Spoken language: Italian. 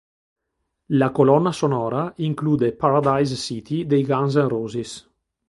La colonna sonora include "Paradise City" dei Guns N' Roses.